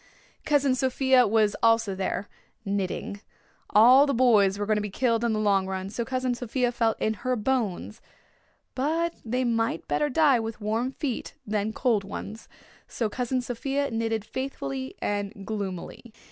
Cousin Sophia was also there, knitting. All the boys were going to be killed in the long run, so Cousin Sophia felt in her bones, but they might better die with warm feet than cold ones, so Cousin Sophia knitted faithfully and gloomily.